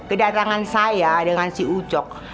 kedatangan saya dengan si ucok